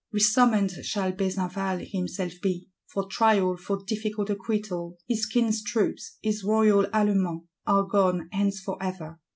Resummoned shall Besenval himself be; for trial, for difficult acquittal. His King's troops, his Royal Allemand, are gone hence for ever.